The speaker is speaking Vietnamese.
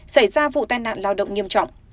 xảy ra vụ tai nạn lao động nghiêm trọng